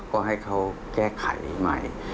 ก็ให้เขาแก้ไขใหม่